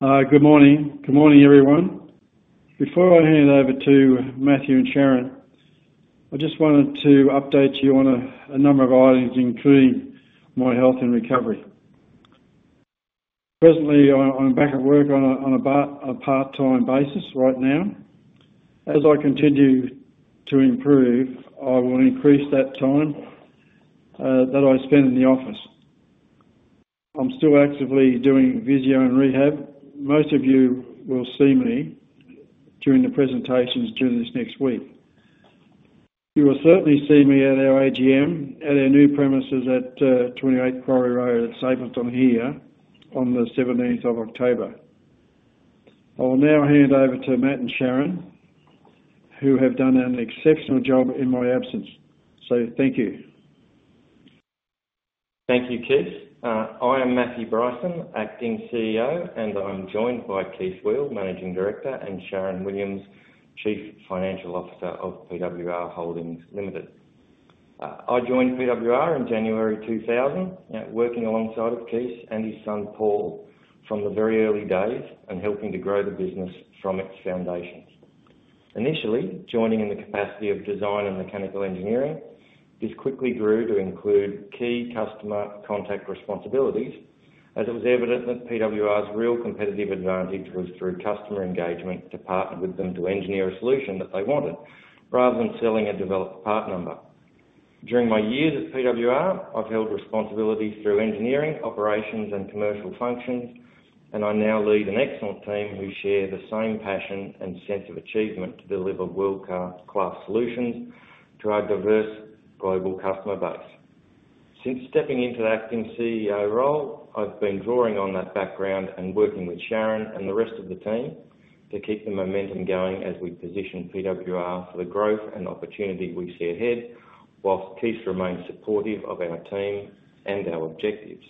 Good morning. Good morning, everyone. Before I hand over to Matthew and Sharyn, I just wanted to update you on a number of items, including my health and recovery. Presently, I'm back at work on a part-time basis right now. As I continue to improve, I will increase that time that I spend in the office. I'm still actively doing physio and rehab. Most of you will see me during the presentations during this next week. You will certainly see me at our AGM at our new premises at 28 Quarry Road at Stapylton here on the 17th of October. I will now hand over to Matt and Sharyn, who have done an exceptional job in my absence. Thank you. Thank you, Kees. I am Matthew Bryson, Acting CEO, and I'm joined by Kees Weel, Managing Director, and Sharyn Williams, Chief Financial Officer of PWR Holdings Limited. I joined PWR in January 2000, working alongside Kees and his son Paul from the very early days and helping to grow the business from its foundations. Initially joining in the capacity of design and mechanical engineering, this quickly grew to include key customer contact responsibilities, as it was evident that PWR's real competitive advantage was through customer engagement to partner with them to engineer a solution that they wanted, rather than selling a developed part number. During my years at PWR, I've held responsibilities through engineering, operations, and commercial functions, and I now lead an excellent team who share the same passion and sense of achievement to deliver world-class solutions to our diverse global customer base. Since stepping into the Acting CEO role, I've been drawing on that background and working with Sharyn and the rest of the team to keep the momentum going as we position PWR for the growth and opportunity we see ahead, whilst Kees remains supportive of our team and our objectives.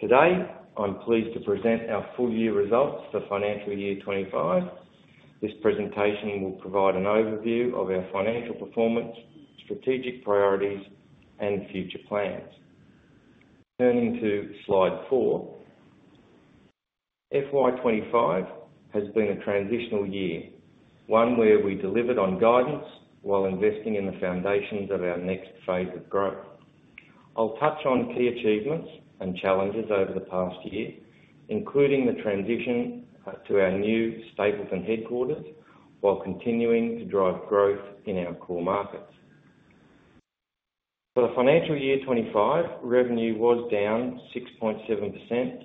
Today, I'm pleased to present our full-year results for financial year 2025. This presentation will provide an overview of our financial performance, strategic priorities, and future plans. Turning to slide four, FY 2025 has been a transitional year, one where we delivered on guidance while investing in the foundations of our next phase of growth. I'll touch on key achievements and challenges over the past year, including the transition to our new Stapylton headquarters, while continuing to drive growth in our core markets. For the financial year 2025, revenue was down 6.7%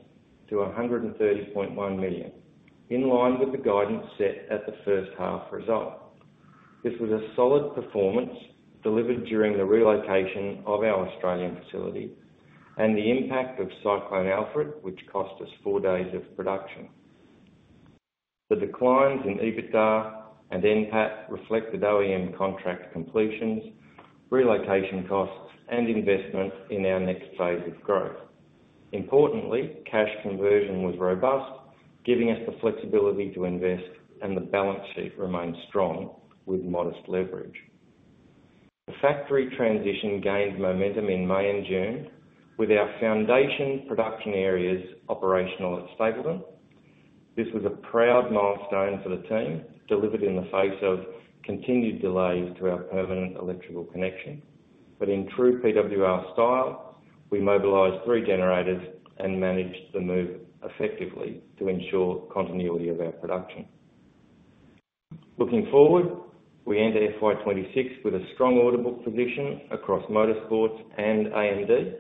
to $130.1 million, in line with the guidance set at the first half result. This was a solid performance delivered during the relocation of our Australian facility and the impact of Cyclone Alfred, which cost us four days of production. The declines in EBITDA and NPAT reflected OEM contract completions, relocation costs, and investment in our next phase of growth. Importantly, cash conversion was robust, giving us the flexibility to invest, and the balance sheet remained strong with modest leverage. The factory transition gained momentum in May and June with our foundation production areas operational at Stapylton. This was a proud milestone for the team, delivered in the face of continued delays to our permanent electrical connection. In true PWR style, we mobilized three generators and managed the move effectively to ensure continuity of our production. Looking forward, we enter FY 2026 with a strong order book position across motorsports and AMD.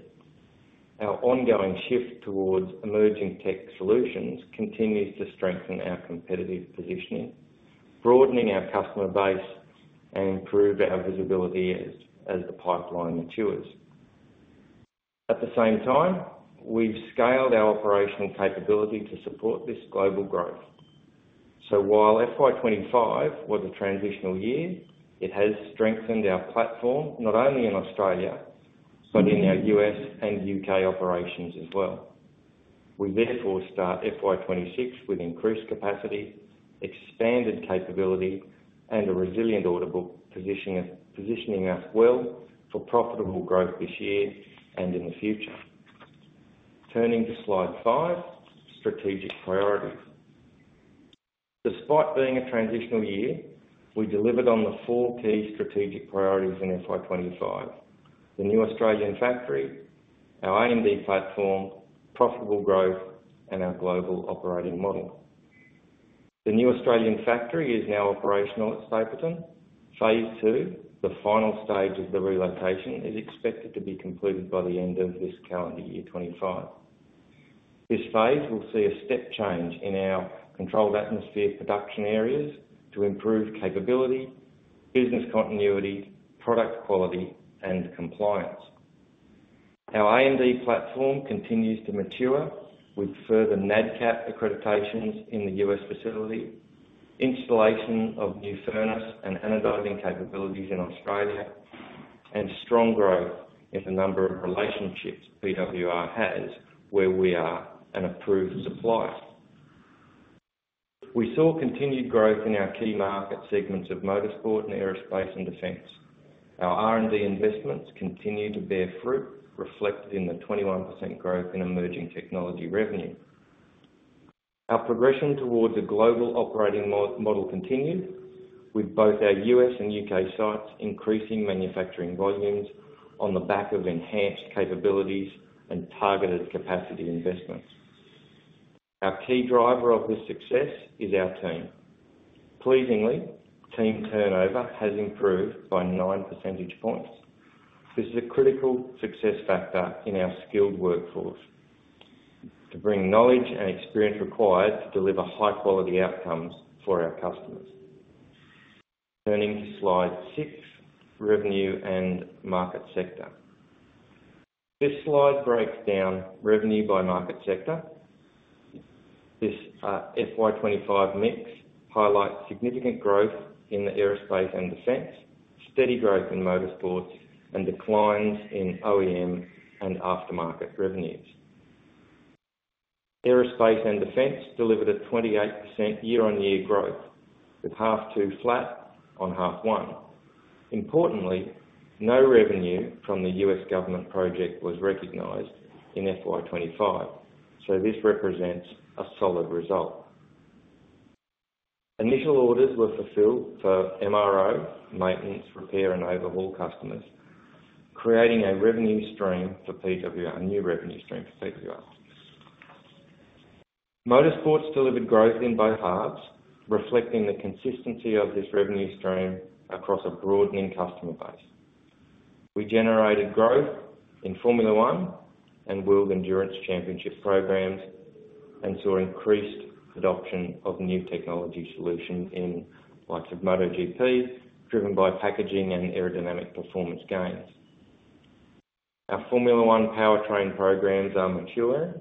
Our ongoing shift towards emerging tech solutions continues to strengthen our competitive positioning, broadening our customer base, and improving our visibility as the pipeline matures. At the same time, we've scaled our operational capability to support this global growth. While FY 2025 was a transitional year, it has strengthened our platform not only in Australia, but in our U.S. and U.K. operations as well. We therefore start FY 2026 with increased capacity, expanded capability, and a resilient order book positioning us well for profitable growth this year and in the future. Turning to slide five, strategic priorities. Despite being a transitional year, we delivered on the four key strategic priorities in FY 2025: the new Australian factory, our AMD platform, profitable growth, and our global operating model. The new Australian factory is now operational at Stapylton. Phase II, the final stage of the relocation, is expected to be completed by the end of this calendar year 2025. This phase will see a step change in our controlled atmosphere production areas to improve capability, business continuity, product quality, and compliance. Our AMD platform continues to mature with further NADCAP accreditations in the U.S. facility, installation of new furnace and anodizing capabilities in Australia, and strong growth in the number of relationships PWR has where we are an approved supplier. We saw continued growth in our key market segments of motorsport and aerospace and defence. Our R&D investments continue to bear fruit, reflected in the 21% growth in emerging technology revenue. Our progression towards a global operating model continued, with both our U.S. and U.K. sites increasing manufacturing volumes on the back of enhanced capabilities and targeted capacity investments. Our key driver of this success is our team. Pleasingly, team turnover has improved by 9 percentage points. This is a critical success factor in our skilled workforce to bring knowledge and experience required to deliver high-quality outcomes for our customers. Turning to slide six, revenue and market sector. This slide breaks down revenue by market sector. This FY 2025 mix highlights significant growth in the aerospace and defence, steady growth in motorsports, and declines in OEM and aftermarket revenues. Aerospace and defence delivered a 28% year-on-year growth, with half two flat on half one. Importantly, no revenue from the U.S. government project was recognized in FY 2025, so this represents a solid result. Initial orders were fulfilled for MRO, maintenance, repair, and overhaul customers, creating a revenue stream for PWR, a new revenue stream for PWR. Motorsports delivered growth in both halves, reflecting the consistency of this revenue stream across a broadening customer base. We generated growth in Formula One and World Endurance Championship programs and saw increased adoption of new technology solutions in, like MotoGP, driven by packaging and aerodynamic performance gains. Our Formula One powertrain programs are mature,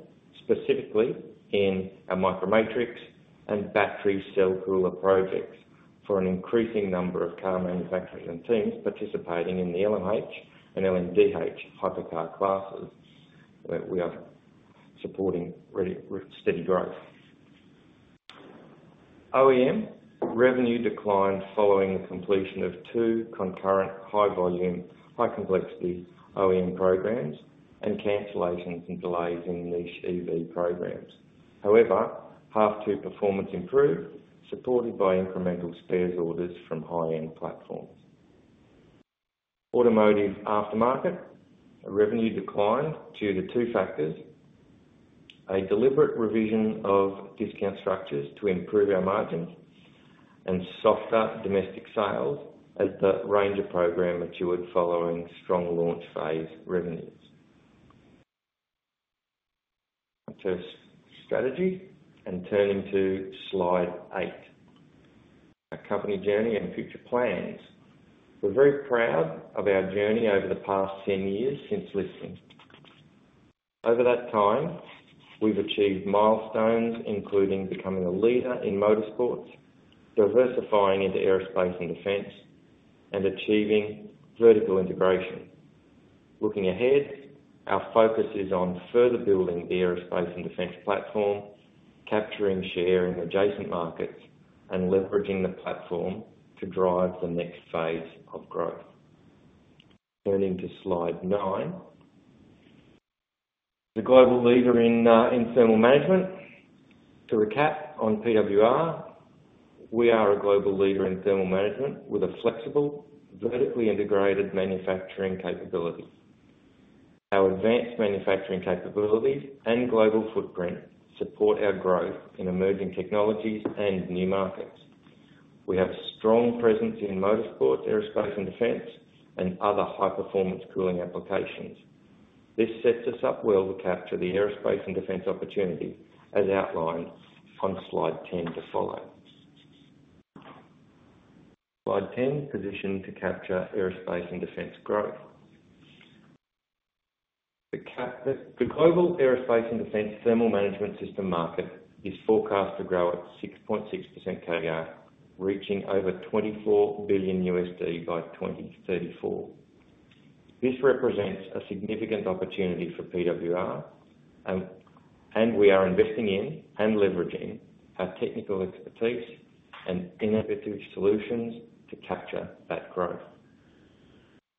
specifically in our micro matrix and battery cell cooler projects for an increasing number of car manufacturing teams participating in the LMH and LMDH hypercar classes that we are supporting with steady growth. OEM revenue declined following the completion of two concurrent high-volume, high-complexity OEM programs and cancellations and delays in niche EV programs. However, half two performance improved, supported by incremental spares orders from high-end platforms. Automotive aftermarket revenue declined due to two factors: a deliberate revision of discount structures to improve our margins and softer domestic sales as the Ranger program matured following strong launch phase revenues. To strategy and turn into slide eight, our company journey and future plans. We're very proud of our journey over the past 10 years since listing. Over that time, we've achieved milestones, including becoming a leader in motorsports, diversifying into aerospace and defence, and achieving vertical integration. Looking ahead, our focus is on further building the aerospace and defence platform, capturing share in adjacent markets, and leveraging the platform to drive the next phase of growth. Turning to slide nine, the global leader in thermal management. To recap on PWR, we are a global leader in thermal management with a flexible, vertically integrated manufacturing capability. Our advanced manufacturing capabilities and global footprint support our growth in emerging technologies and new markets. We have a strong presence in motorsports, aerospace, and defence, and other high-performance cooling applications. This sets us up well to capture the aerospace and defence opportunity as outlined on slide 10 to follow. Slide 10, position to capture aerospace and defence growth. The global aerospace and defence thermal management system market is forecast to grow at 6.6% CAGR, reaching over $24 billion by 2034. This represents a significant opportunity for PWR, and we are investing in and leveraging our technical expertise and innovative solutions to capture that growth.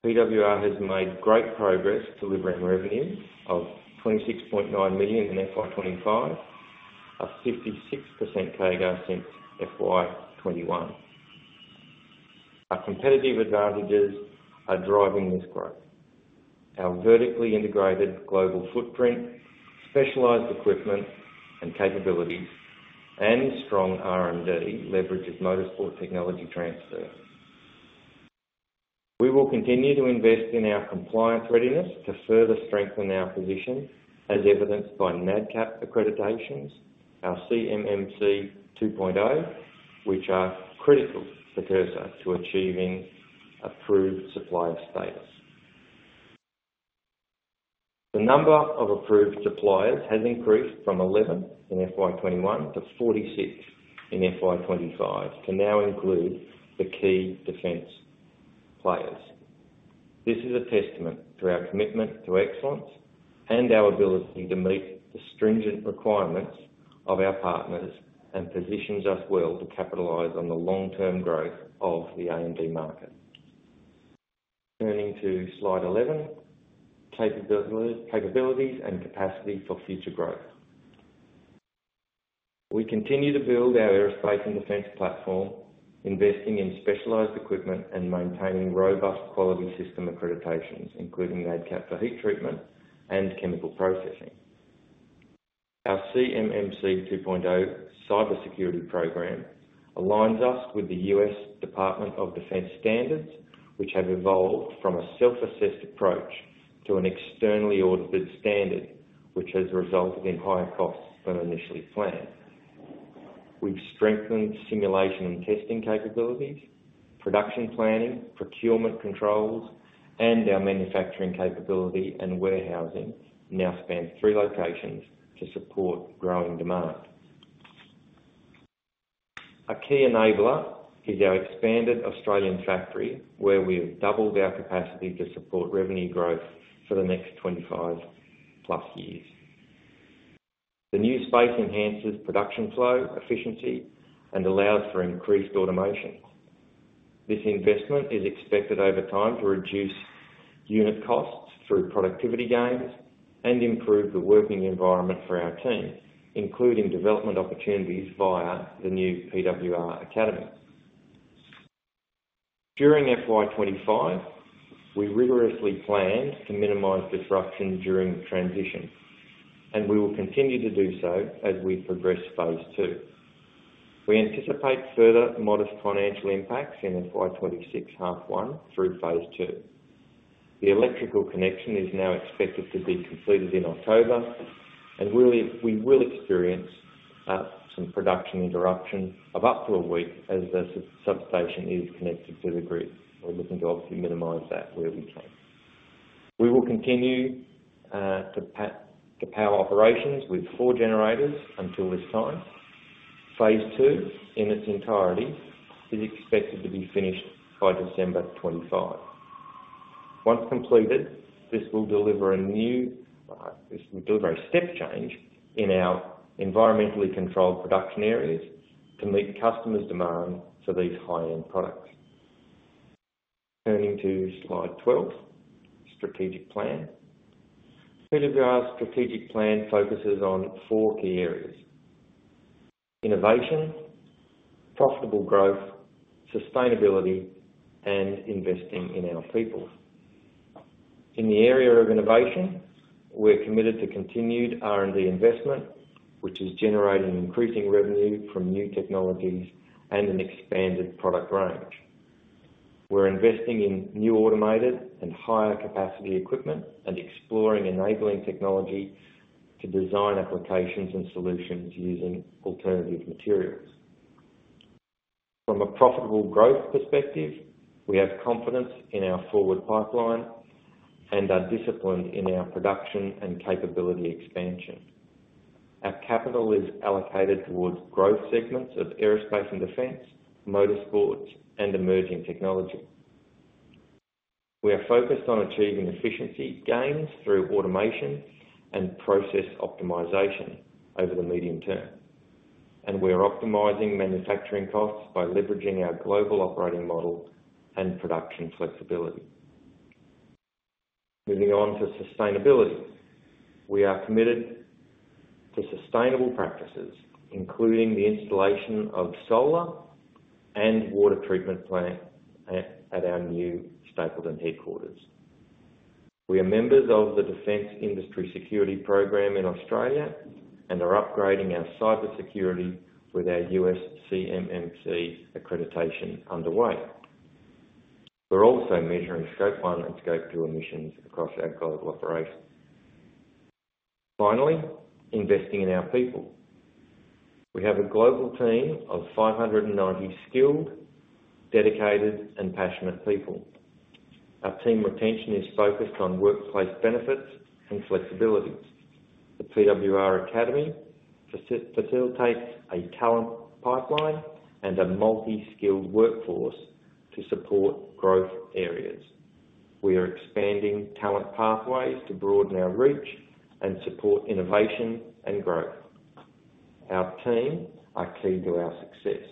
PWR has made great progress delivering revenues of $26.9 million in FY 2025, a 56% CAGR since FY 2021. Our competitive advantages are driving this growth. Our vertically integrated global footprint, specialized equipment and capabilities, and strong R&D leverage of motorsport technology transfer. We will continue to invest in our compliance readiness to further strengthen our position, as evidenced by NADCAP accreditations, our CMMC 2.0, which are critical for PWR to achieving approved supplier status. The number of approved suppliers has increased from 11 in FY 2021 to 46 in FY 2025, to now include the key defence players. This is a testament to our commitment to excellence and our ability to meet the stringent requirements of our partners and positions us well to capitalize on the long-term growth of the AMD market. Turning to slide 11, capabilities and capacity for future growth. We continue to build our aerospace and defence platform, investing in specialized equipment and maintaining robust quality system accreditations, including NADCAP for heat treatment and chemical processing. Our CMMC 2.0 cybersecurity program aligns us with the U.S. Department of Defence standards, which have evolved from a self-assessed approach to an externally audited standard, which has resulted in higher costs than initially planned. We've strengthened simulation and testing capabilities, production planning, procurement controls, and our manufacturing capability and warehousing now spans three locations to support growing demand. A key enabler is our expanded Australian factory, where we've doubled our capacity to support revenue growth for the next 25+ years. The new space enhances production flow efficiency and allows for increased automation. This investment is expected over time to reduce unit costs through productivity gains and improve the working environment for our team, including development opportunities via the new PWR Academy. During FY 2025, we rigorously plan to minimize disruption during transition, and we will continue to do so as we progress phase II. We anticipate further modest financial impacts in FY 2026 half one through phase II. The electrical connection is now expected to be completed in October, and we will experience some production interruption of up to a week as the substation is connected to the grid. We're looking to optimize that where we can. We will continue to power operations with four generators until this time. Phase II in its entirety is expected to be finished by December 2025. Once completed, this will deliver a step change in our environmentally controlled production areas to meet the customer's demand for these high-end products. Turning to slide 12, strategic plan. PWR's strategic plan focuses on four key areas: innovation, profitable growth, sustainability, and investing in our people. In the area of innovation, we're committed to continued R&D investment, which is generating increasing revenue from new technologies and an expanded product range. We're investing in new automated and higher capacity equipment and exploring enabling technology to design applications and solutions using alternative materials. From a profitable growth perspective, we have confidence in our forward pipeline and are disciplined in our production and capability expansion. Our capital is allocated towards growth segments of aerospace and defence, motorsports, and emerging technology. We are focused on achieving efficiency gains through automation and process optimization over the medium term, and we're optimizing manufacturing costs by leveraging our global operating model and production flexibility. Moving on to sustainability, we are committed to sustainable practices, including the installation of solar and water treatment plants at our new Stapylton headquarters. We are members of the Defence Industry Security Programme in Australia and are upgrading our cybersecurity with our U.S. CMMC accreditation underway. We're also measuring Scope 1 and Scope 2 emissions across our global operations. Finally, investing in our people. We have a global team of 590 skilled, dedicated, and passionate people. Our team retention is focused on workplace benefits and flexibilities. The PWR Academy facilitates a talent pipeline and a multi-skilled workforce to support growth areas. We are expanding talent pathways to broaden our reach and support innovation and growth. Our team are key to our success.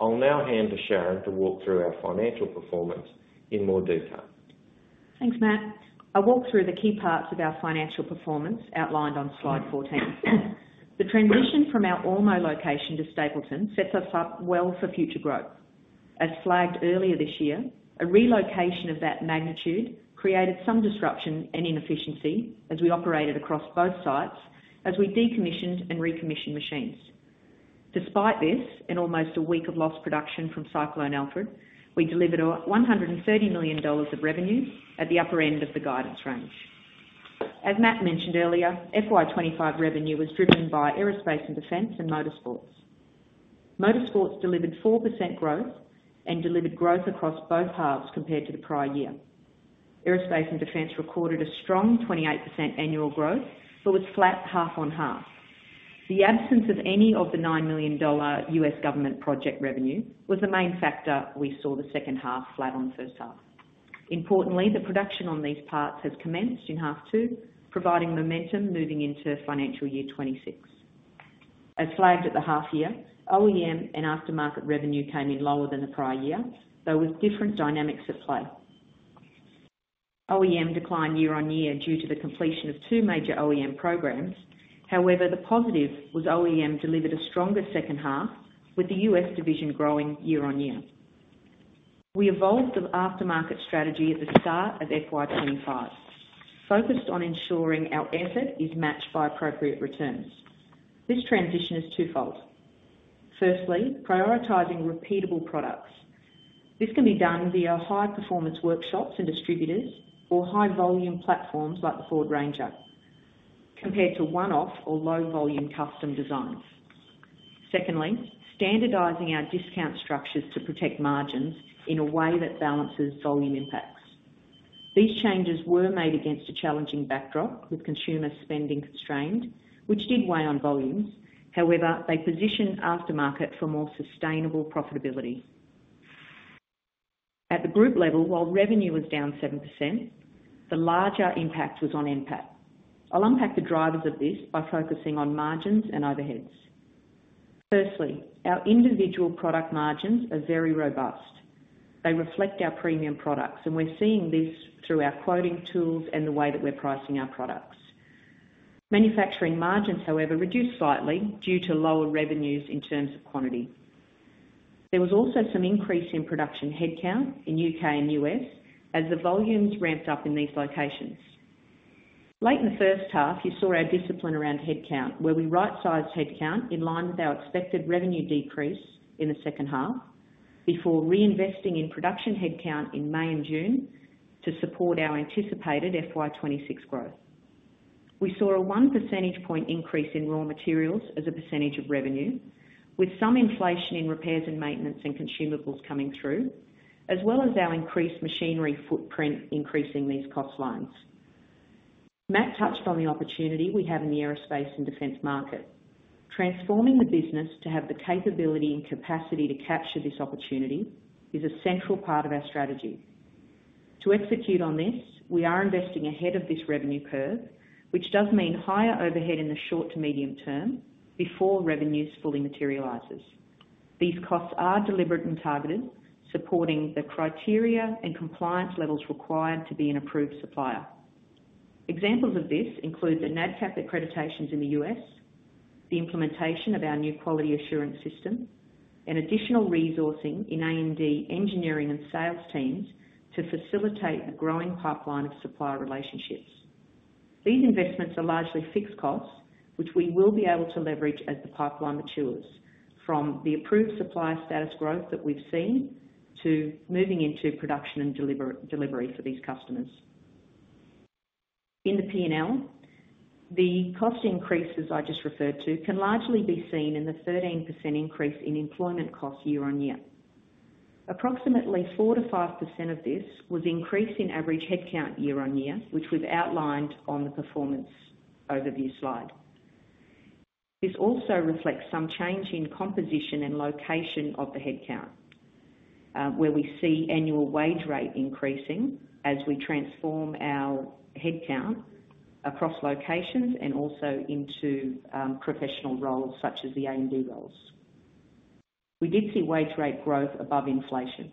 I'll now hand to Sharyn to walk through our financial performance in more detail. Thanks, Matt. I'll walk through the key parts of our financial performance outlined on slide 14. The transition from our Ormo location to Stapylton sets us up well for future growth. As flagged earlier this year, a relocation of that magnitude created some disruption and inefficiency as we operated across both sites, as we decommissioned and recommissioned machines. Despite this, in almost a week of lost production from Cyclone Alfred, we delivered $130 million of revenue at the upper end of the guidance range. As Matt mentioned earlier, FY 2025 revenue was driven by aerospace and defence and motorsports. Motorsports delivered 4% growth and delivered growth across both halves compared to the prior year. Aerospace and defence recorded a strong 28% annual growth, but was flat half on half. The absence of any of the $9 million U.S. government project revenue was the main factor we saw the second half flat on the first half. Importantly, the production on these parts has commenced in half two, providing momentum moving into financial year 2026. As flagged at the half year, OEM and aftermarket revenue came in lower than the prior year, though with different dynamics at play. OEM declined year on year due to the completion of two major OEM programs. However, the positive was OEM delivered a stronger second half, with the U.S. division growing year on year. We evolved the aftermarket strategy at the start of FY 2025, focused on ensuring our asset is matched by appropriate returns. This transition is twofold. Firstly, prioritizing repeatable products. This can be done via high-performance workshops and distributors or high-volume platforms like the Ford Ranger, compared to one-off or low-volume custom designs. Secondly, standardizing our discount structures to protect margins in a way that balances volume impacts. These changes were made against a challenging backdrop, with consumer spending constrained, which did weigh on volumes. However, they positioned aftermarket for more sustainable profitability. At the group level, while revenue was down 7%, the larger impact was on NPAT. I'll unpack the drivers of this by focusing on margins and overheads. Firstly, our individual product margins are very robust. They reflect our premium products, and we're seeing this through our quoting tools and the way that we're pricing our products. Manufacturing margins, however, reduced slightly due to lower revenues in terms of quantity. There was also some increase in production headcount in the U.K. and U.S. as the volumes ramped up in these locations. Late in the first half, you saw our discipline around headcount, where we right-sized headcount in line with our expected revenue decrease in the second half, before reinvesting in production headcount in May and June to support our anticipated FY 2026 growth. We saw a 1 percentage point increase in raw materials as a percentage of revenue, with some inflation in repairs and maintenance and consumables coming through, as well as our increased machinery footprint increasing these cost lines. Matt touched on the opportunity we have in the aerospace and defence market. Transforming the business to have the capability and capacity to capture this opportunity is a central part of our strategy. To execute on this, we are investing ahead of this revenue curve, which does mean higher overhead in the short to medium term before revenues fully materialize. These costs are deliberate and targeted, supporting the criteria and compliance levels required to be an approved supplier. Examples of this include the NADCAP accreditations in the U.S., the implementation of our new quality assurance system, and additional resourcing in AMD engineering and sales teams to facilitate a growing pipeline of supplier relationships. These investments are largely fixed costs, which we will be able to leverage as the pipeline matures, from the approved supplier status growth that we've seen to moving into production and delivery for these customers. In the P&L, the cost increases I just referred to can largely be seen in the 13% increase in employment cost year on year. Approximately 4%-5% of this was an increase in average headcount year on year, which we've outlined on the performance overview slide. This also reflects some change in composition and location of the headcount, where we see annual wage rate increasing as we transform our headcount across locations and also into professional roles, such as the AMD roles. We did see wage rate growth above inflation.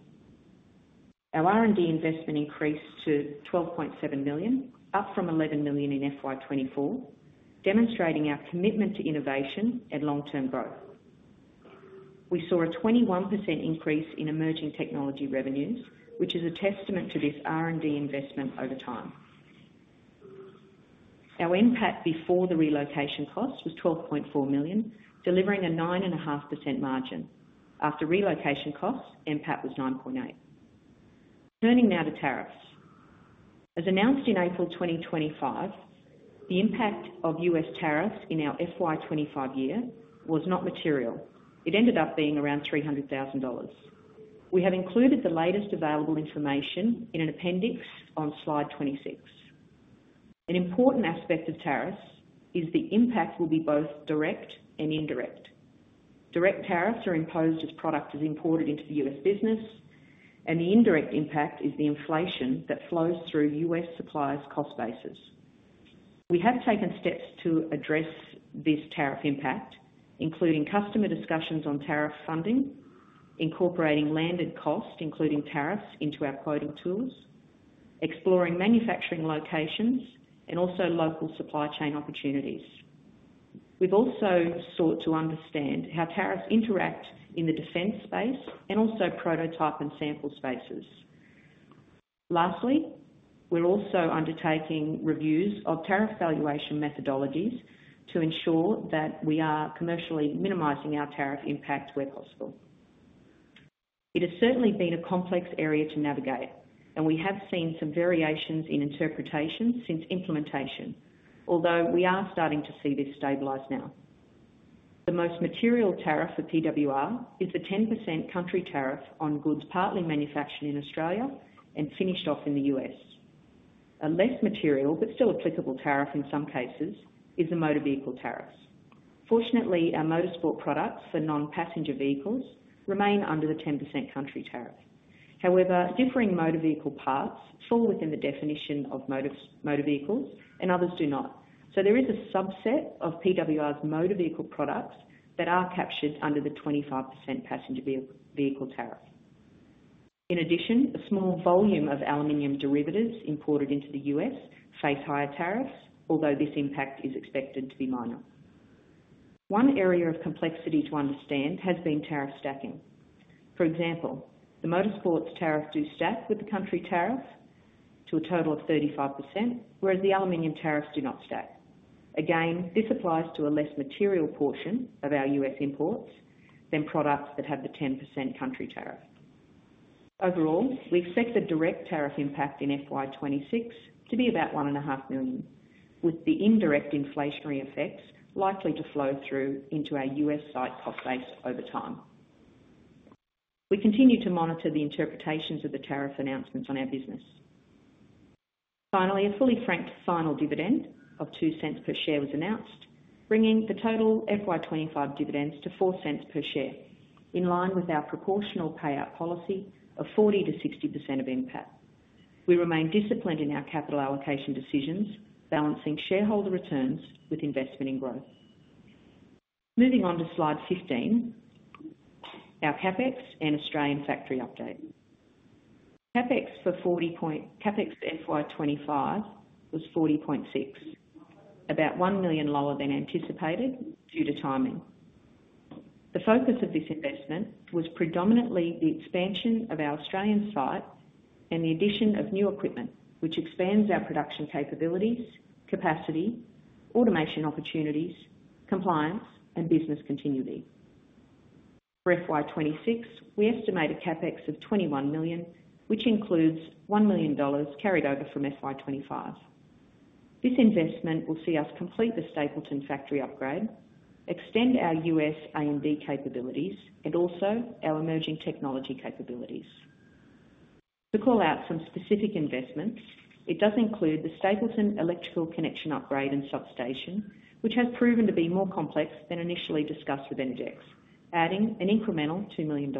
Our R&D investment increased to $12.7 million, up from $11 million in FY 2024, demonstrating our commitment to innovation and long-term growth. We saw a 21% increase in emerging technology revenues, which is a testament to this R&D investment over time. Our NPAT before the relocation cost was $12.4 million, delivering a 9.5% margin. After relocation costs, NPAT was $9.8 million. Turning now to tariffs. As announced in April 2025, the impact of U.S. tariffs in our FY 2025 year was not material. It ended up being around $300,000. We have included the latest available information in an appendix on slide 26. An important aspect of tariffs is the impact will be both direct and indirect. Direct tariffs are imposed as product is imported into the US business, and the indirect impact is the inflation that flows through US suppliers' cost bases. We have taken steps to address this tariff impact, including customer discussions on tariff funding, incorporating landed costs, including tariffs, into our quoting tools, exploring manufacturing locations, and also local supply chain opportunities. We've also sought to understand how tariffs interact in the defence space and also prototype and sample spaces. Lastly, we're also undertaking reviews of tariff valuation methodologies to ensure that we are commercially minimizing our tariff impact where possible. It has certainly been a complex area to navigate, and we have seen some variations in interpretation since implementation, although we are starting to see this stabilize now. The most material tariff for PWR is the 10% country tariff on goods partly manufactured in Australia and finished off in the U.S. A less material but still applicable tariff in some cases is the motor vehicle tariffs. Fortunately, our motorsport products for non-passenger vehicles remain under the 10% country tariff. However, differing motor vehicle parts fall within the definition of motor vehicles, and others do not. There is a subset of PWR's motor vehicle products that are captured under the 25% passenger vehicle tariff. In addition, a small volume of aluminum derivatives imported into the U.S. face higher tariffs, although this impact is expected to be minor. One area of complexity to understand has been tariff stacking. For example, the motorsports tariffs do stack with the country tariff to a total of 35%, whereas the aluminum tariffs do not stack. This applies to a less material portion of our U.S. imports than products that have the 10% country tariff. Overall, we've sectored direct tariff impact in FY 2026 to be about $1.5 million, with the indirect inflationary effects likely to flow through into our U.S. site cost base over time. We continue to monitor the interpretations of the tariff announcements on our business. Finally, a fully franked final dividend of $0.02 per share was announced, bringing the total FY 2025 dividends to $0.04 per share, in line with our proportional payout policy of 40%-60% of NPAT. We remain disciplined in our capital allocation decisions, balancing shareholder returns with investment in growth. Moving on to slide 15, our CapEx and Australian factory update. CapEx for FY 2025 was $40.6 million, about $1 million lower than anticipated due to timing. The focus of this investment was predominantly the expansion of our Australian site and the addition of new equipment, which expands our production capabilities, capacity, automation opportunities, compliance, and business continuity. For FY 2026, we estimate a CapEx of $21 million, which includes $1 million carried over from FY 2025. This investment will see us complete the Stapylton factory upgrade, extend our U.S. AMD capabilities, and also our emerging technology capabilities. To call out some specific investments, it does include the Stapylton electrical connection upgrade and substation, which has proven to be more complex than initially discussed with Enedec, adding an incremental $2 million.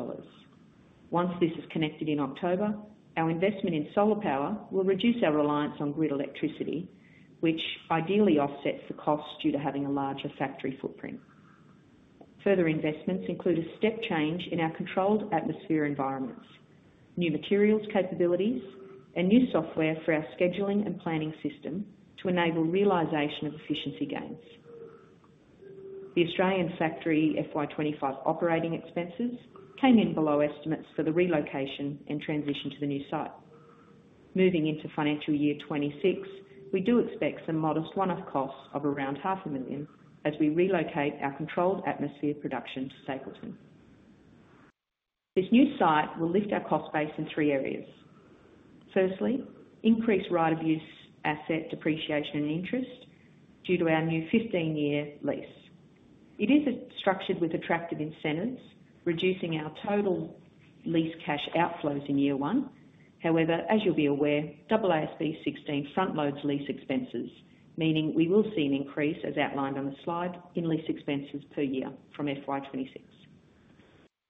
Once this is connected in October, our investment in solar power will reduce our reliance on grid electricity, which ideally offsets the costs due to having a larger factory footprint. Further investments include a step change in our controlled atmosphere environments, new materials capabilities, and new software for our scheduling and planning system to enable realization of efficiency gains. The Australian factory FY 2025 operating expenses came in below estimates for the relocation and transition to the new site. Moving into financial year 2026, we do expect some modest one-off costs of around $0.5 million as we relocate our controlled atmosphere production to Stapylton. This new site will lift our cost base in three areas. Firstly, increased right of use asset depreciation and interest due to our new 15-year lease. It is structured with attractive incentives, reducing our total lease cash outflows in year one. However, as you'll be aware, AASB 16 front-loads lease expenses, meaning we will see an increase, as outlined on the slide, in lease expenses per year from FY 2026.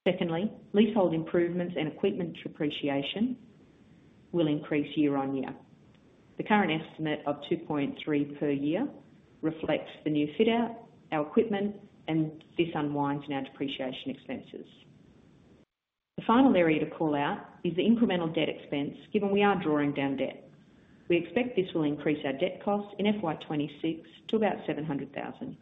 Secondly, leasehold improvements and equipment depreciation will increase year on year. The current estimate of $2.3 million per year reflects the new fit-out, our equipment, and this unwinds in our depreciation expenses. The final area to call out is the incremental debt expense, given we are drawing down debt. We expect this will increase our debt costs in FY 2026 to about $700,000.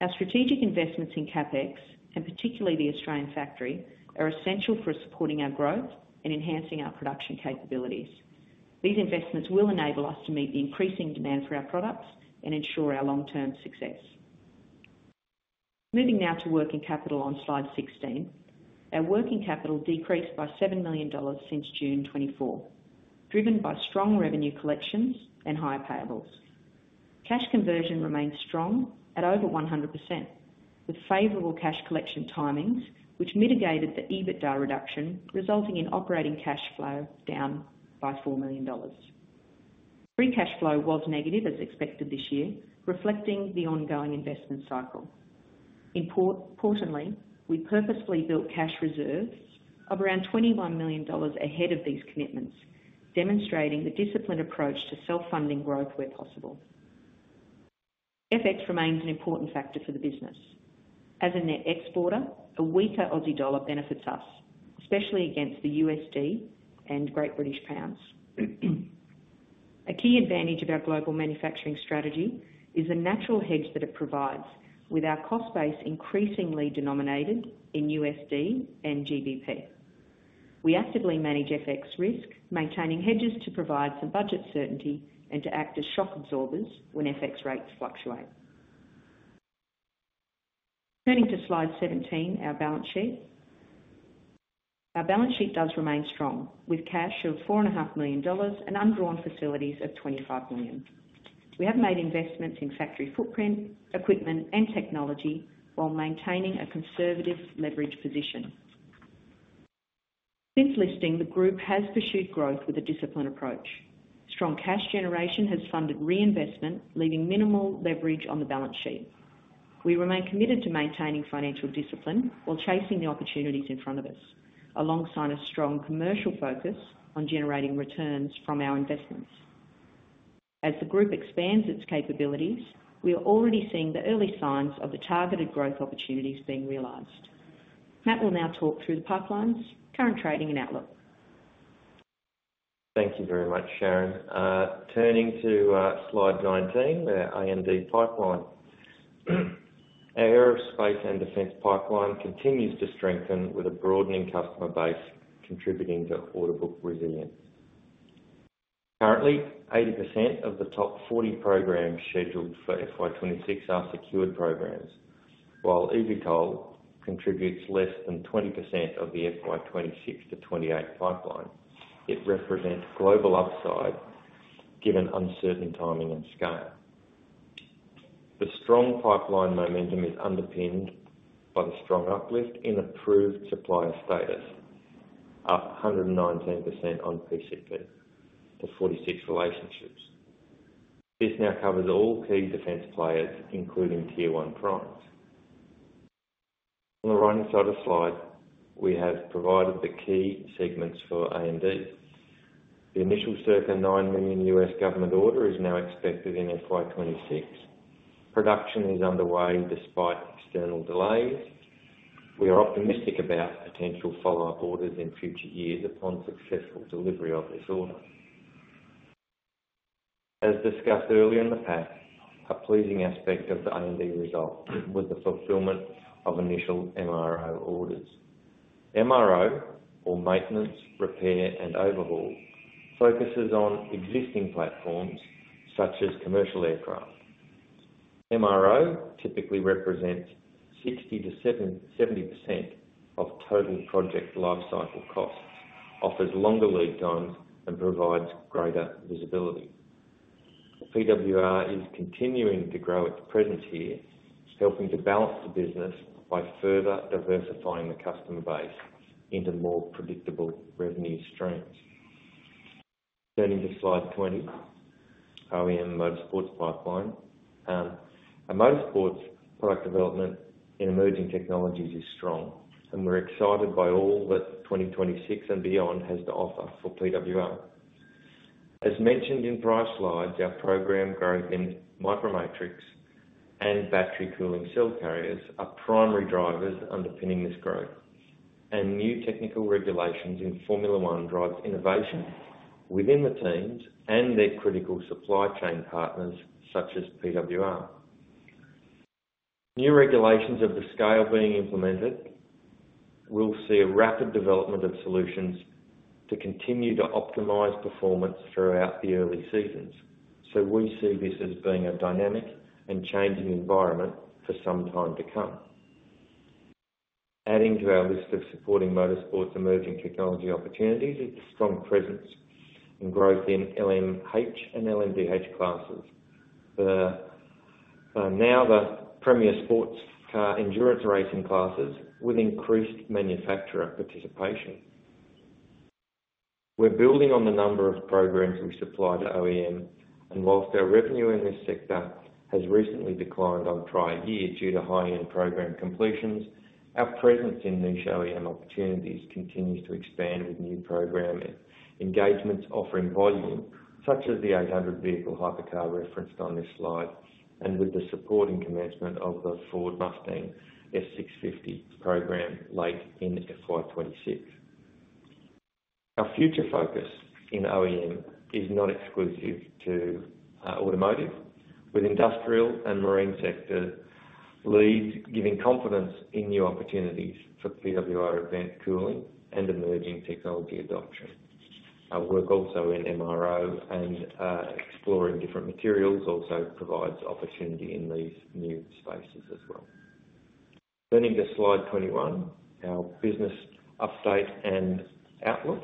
Our strategic investments in CapEx, and particularly the Australian factory, are essential for supporting our growth and enhancing our production capabilities. These investments will enable us to meet the increasing demand for our products and ensure our long-term success. Moving now to working capital on slide 16, our working capital decreased by $7 million since June 2024, driven by strong revenue collections and higher payables. Cash conversion remains strong at over 100%, with favorable cash collection timings, which mitigated the EBITDA reduction, resulting in operating cash flow down by $4 million. Free cash flow was negative as expected this year, reflecting the ongoing investment cycle. Importantly, we purposefully built cash reserves of around $21 million ahead of these commitments, demonstrating the disciplined approach to self-funding growth where possible. FX remains an important factor for the business. As a net exporter, a weaker Aussie dollar benefits us, especially against the USD and Great British Pounds. A key advantage of our global manufacturing strategy is the natural hedge that it provides, with our cost base increasingly denominated in USD and GBP. We actively manage FX risk, maintaining hedges to provide some budget certainty and to act as shock absorbers when FX rates fluctuate. Turning to slide 17, our balance sheet. Our balance sheet does remain strong, with cash of $4.5 million and undrawn facilities at $25 million. We have made investments in factory footprint, equipment, and technology while maintaining a conservative leverage position. Since listing, the group has pursued growth with a disciplined approach. Strong cash generation has funded reinvestment, leaving minimal leverage on the balance sheet. We remain committed to maintaining financial discipline while chasing the opportunities in front of us, alongside a strong commercial focus on generating returns from our investments. As the group expands its capabilities, we are already seeing the early signs of the targeted growth opportunities being realized. Matt will now talk through the pipelines, current trading, and outlook. Thank you very much, Sharyn. Turning to slide 19, our AMD pipeline. Our aerospace and defence pipeline continues to strengthen with a broadening customer base, contributing to order book resilience. Currently, 80% of the top 40 programs scheduled for FY 2026 are secured programs, while eVTOL contributes less than 20% of the FY 2026 to 2028 pipeline. It represents global upside, given uncertain timing and scale. The strong pipeline momentum is underpinned by the strong uplift in approved supplier status, up 119% on PCP for 46 relationships. This now covers all key defence players, including Tier 1 primes. On the right-hand side of the slide, we have provided the key segments for AMD. The initial circa $9 million U.S. government order is now expected in FY 2026. Production is underway despite external delays. We are optimistic about potential follow-up orders in future years upon successful delivery of this order. As discussed earlier in the pack, a pleasing aspect of the AMD result was the fulfillment of initial MRO orders. MRO, or maintenance, repair, and overhaul, focuses on existing platforms such as commercial aircraft. MRO typically represents 60% to 70% of total project lifecycle costs, offered longer lead times and provides greater visibility. PWR is continuing to grow its presence here, helping to balance the business by further diversifying the customer base into more predictable revenue streams. Turning to slide 20, our OEM motorsports pipeline. Our motorsports product development in emerging technologies is strong, and we're excited by all that 2026 and beyond has to offer for PWR. As mentioned in prior slides, our program growth in micro matrix and battery cooling cell carriers are primary drivers underpinning this growth, and new technical regulations in Formula One drive innovation within the teams and their critical supply chain partners such as PWR. New regulations of the scale being implemented will see a rapid development of solutions to continue to optimize performance throughout the early seasons. We see this as being a dynamic and changing environment for some time to come. Adding to our list of supporting motorsports emerging technology opportunities is the strong presence and growth in LMH and LMDH classes, now the premier sports endurance racing classes with increased manufacturer participation. We're building on the number of programs we supply to OEM, and whilst our revenue in this sector has recently declined on prior years due to high-end program completions, our presence in niche OEM opportunities continues to expand with new program engagements offering volume, such as the 800-vehicle hypercar referenced on this slide, and with the support and commencement of the Ford Mustang S650 program late in FY 2026. Our future focus in OEM is not exclusive to automotive, with industrial and marine sector leads giving confidence in new opportunities for PWR event cooling and emerging technology adoption. Our work also in MRO and exploring different materials also provides opportunity in these new spaces as well. Turning to slide 21, our business update and outlook.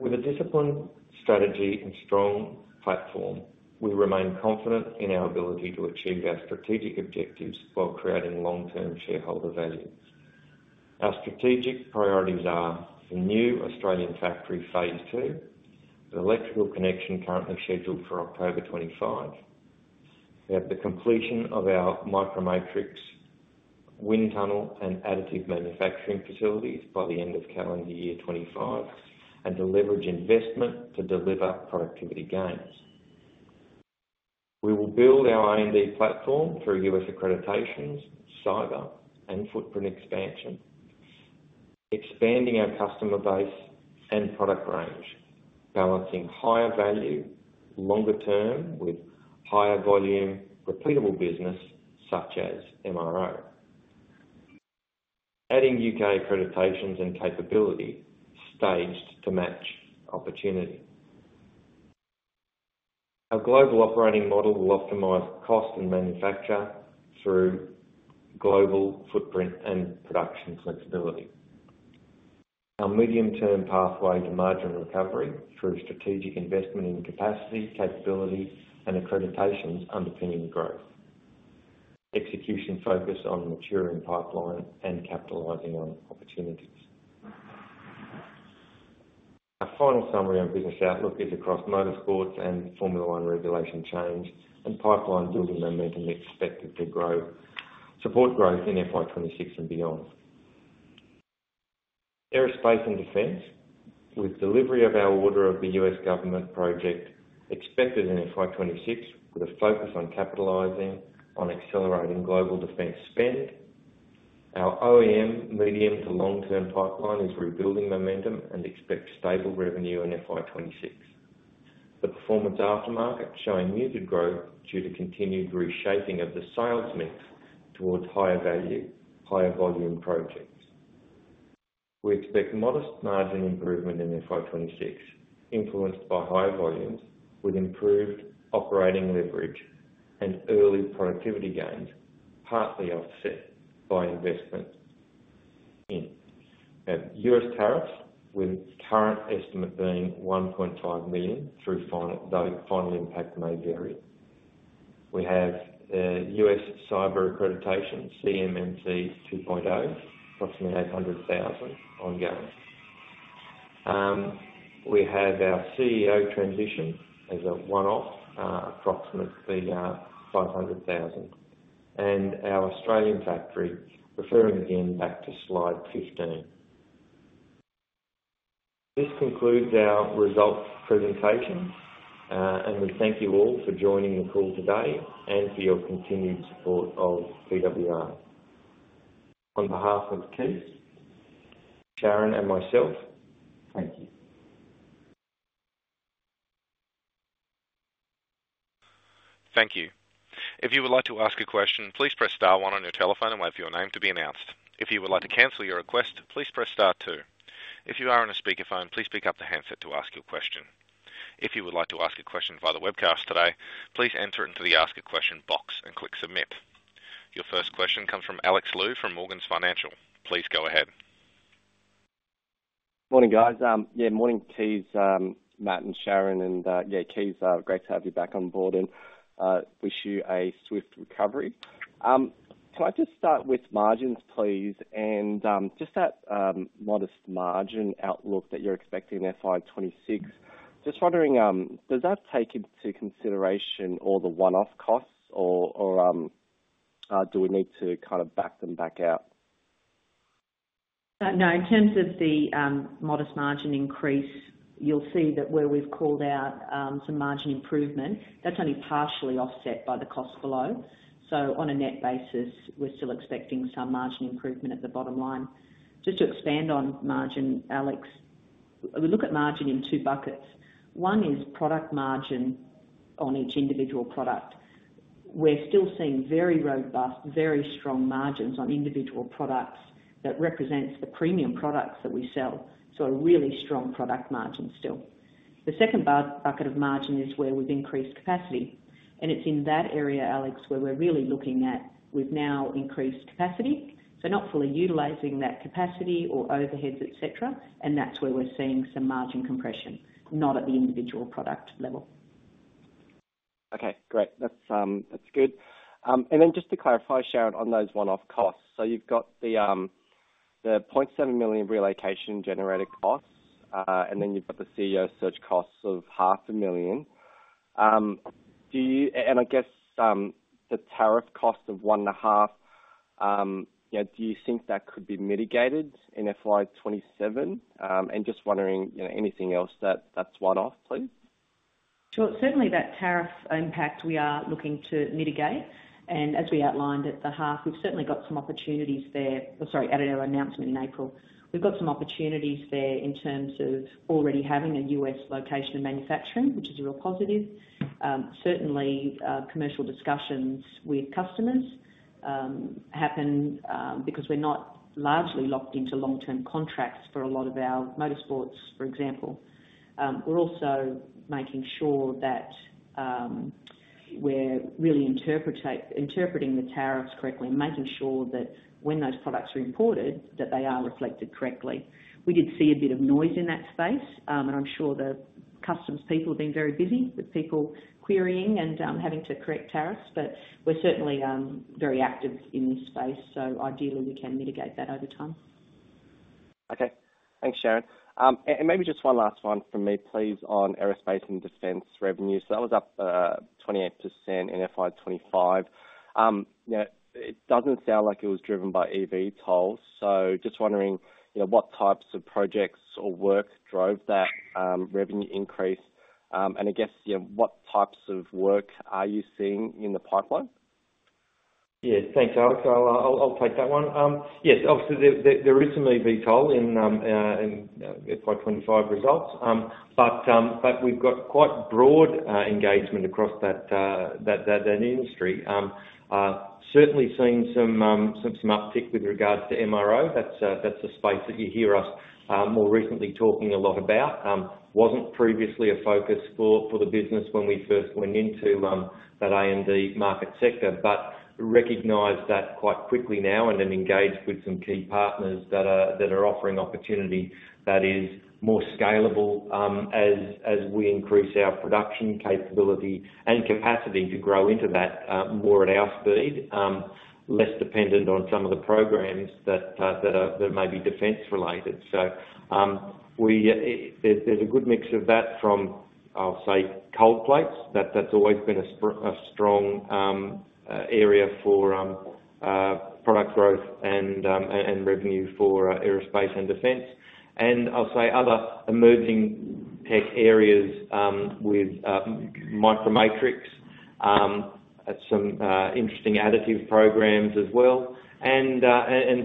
With a disciplined strategy and strong platform, we remain confident in our ability to achieve our strategic objectives while creating long-term shareholder value. Our strategic priorities are a new Australian factory phase II, the electrical connection currently scheduled for October 2025, the completion of our micro matrix wind tunnel and additive manufacturing facilities by the end of calendar year 2025, and to leverage investment to deliver productivity gains. We will build our AMD platform through U.S. accreditations, cyber, and footprint expansion, expanding our customer base and product range, balancing higher value longer term with higher volume repeatable business such as MRO. Adding U.K. accreditations and capability staged to match opportunity. Our global operating model will optimize cost and manufacture through global footprint and production flexibility. Our medium-term pathway to margin recovery through strategic investment in capacity, capability, and accreditations underpinning growth. Execution focus on maturing pipeline and capitalizing on opportunities. A final summary on business outlook is across motorsports and Formula One regulation change and pipeline building momentum expected to grow, support growth in FY 2026 and beyond. Aerospace and defence, with delivery of our order of the U.S. government project expected in FY 2026, with a focus on capitalizing on accelerating global defence spend. Our OEM medium to long-term pipeline is rebuilding momentum and expects stable revenue in FY 2026. The performance aftermarket showing muted growth due to continued reshaping of the sales mix towards higher value, higher volume projects. We expect modest margin improvement in FY 2026, influenced by higher volumes, with improved operating leverage and early productivity gains, partly offset by investment in U.S. tariffs, with current estimate being $1.5 million though final impact may vary. We have U.S. cyber accreditation, CMMC 2.0, approximately $800,000 ongoing. We have our CEO transition as a one-off, approximately $500,000, and our Australian factory, referring again back to slide 15. This concludes our results presentation, and we thank you all for joining the call today and for your continued support of PWR. On behalf of Kees, Sharyn, and myself, thank you. Thank you. If you would like to ask a question, please press star one on your telephone and wait for your name to be announced. If you would like to cancel your request, please press star two. If you are on a speaker phone, please pick up the handset to ask your question. If you would like to ask a question via the webcast today, please enter it into the ask a question box and click submit. Your first question comes from Alex Lu from Morgan's Financial. Please go ahead. Morning guys. Morning, Kees, Matt, and Sharyn. Kees, great to have you back on board and wish you a swift recovery. Can I just start with margins, please? Just that modest margin outlook that you're expecting FY 2026, just wondering, does that take into consideration all the one-off costs or do we need to kind of back them back out? No, in terms of the modest margin increase, you'll see that where we've called out some margin improvement, that's only partially offset by the cost flow. On a net basis, we're still expecting some margin improvement at the bottom line. Just to expand on margin, Alex, we look at margin in two buckets. One is product margin on each individual product. We're still seeing very robust, very strong margins on individual products that represent the premium products that we sell, so a really strong product margin still. The second bucket of margin is where we've increased capacity. It's in that area, Alex, where we're really looking at we've now increased capacity, not fully utilizing that capacity or overheads, etc. That's where we're seeing some margin compression, not at the individual product level. Okay, great. That's good. Just to clarify, Sharyn, on those one-off costs, you've got the $0.7 million relocation generated costs, and then you've got the CEO search costs of $0.5 million. I guess the tariff cost of $1.5 million, do you think that could be mitigated in FY 2027? Just wondering, you know, anything else that's one-off, please? Certainly, that tariff impact we are looking to mitigate. As we outlined at the half, we've certainly got some opportunities there. As added in our announcement in April, we've got some opportunities there in terms of already having a U.S. location of manufacturing, which is a real positive. Certainly, commercial discussions with customers happen because we're not largely locked into long-term contracts for a lot of our motorsports, for example. We're also making sure that we're really interpreting the tariffs correctly and making sure that when those products are imported, they are reflected correctly. We did see a bit of noise in that space, and I'm sure the customs people have been very busy with people querying and having to correct tariffs. We're certainly very active in this space. Ideally, we can mitigate that over time. Okay, thanks, Sharyn. Maybe just one last one from me, please, on aerospace and defence revenues. That was up 28% in FY 2025. It doesn't sound like it was driven by EV tolls. Just wondering, you know, what types of projects or work drove that revenue increase? I guess, you know, what types of work are you seeing in the pipeline? Yeah, thanks, Alex. I'll take that one. Yes, obviously, there is some EV toll in FY 2025 results, but we've got quite broad engagement across that industry. Certainly seeing some uptick with regards to MRO. That's a space that you hear us more recently talking a lot about. Wasn't previously a focus for the business when we first went into that AMD market sector, but recognized that quite quickly now and then engaged with some key partners that are offering opportunity that is more scalable as we increase our production capability and capacity to grow into that more at our speed, less dependent on some of the programs that may be defense related. There's a good mix of that from, I'll say, cold plates. That's always been a strong area for product growth and revenue for aerospace and defense. I'll say other emerging tech areas with micro matrix, some interesting additive programs as well, and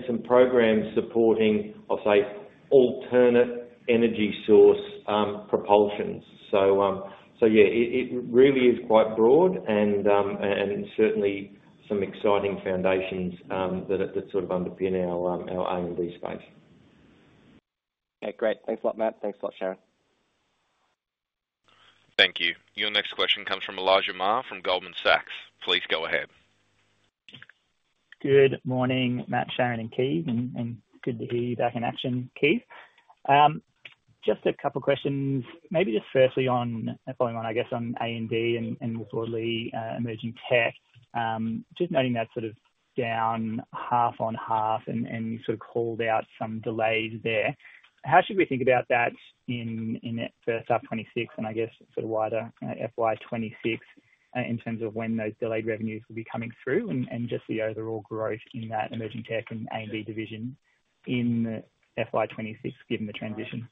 some programs supporting, I'll say, alternate energy source propulsions. It really is quite broad and certainly some exciting foundations that sort of underpin our AMD space. Okay, great. Thanks a lot, Matt. Thanks a lot, Sharyn. Thank you. Your next question comes from Elijah Mayr from Goldman Sachs. Please go ahead. Good morning, Matt, Sharyn, and Kees. Good to hear you back in action, Kees. Just a couple of questions. Maybe just firstly on, following on, I guess, on AMD and more broadly emerging tech. Just noting that sort of down half on half and you sort of called out some delays there. How should we think about that in that first half of 2026 and I guess sort of wider FY 2026 in terms of when those delayed revenues will be coming through and just the overall growth in that emerging tech and AMD division in FY 2026, given the transition?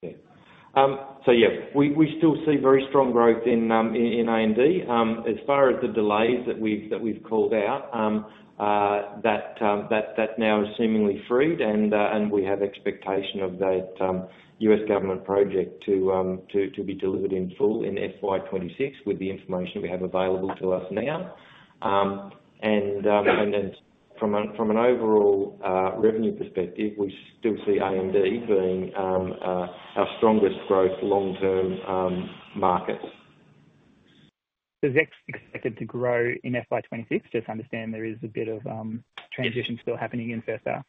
Yeah, we still see very strong growth in AMD. As far as the delays that we've called out, that now is seemingly freed, and we have expectation of that U.S. government project to be delivered in full in FY 2026 with the information we have available to us now. From an overall revenue perspective, we still see AMD being our strongest growth long-term market. Is that expected to grow in FY 2026? I just understand there is a bit of transition still happening in the first half.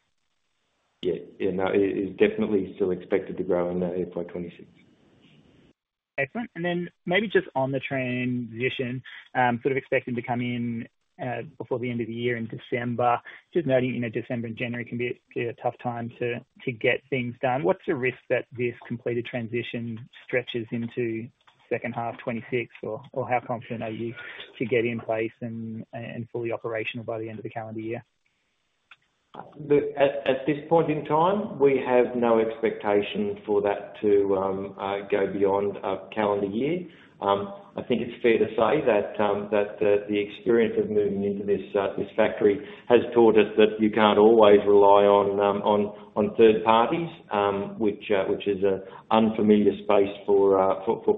Yeah, yeah, no, it is definitely still expected to grow in FY 2026. Excellent. Maybe just on the transition, sort of expecting to come in before the end of the year in December. Just noting in December and January can be a tough time to get things done. What's the risk that this completed transition stretches into the second half of 2026, or how confident are you to get in place and fully operational by the end of the calendar year? As this falls in time, we have no expectation for that to go beyond a calendar year. I think it's fair to say that the experience of moving into this factory has taught us that you can't always rely on third parties, which is an unfamiliar space for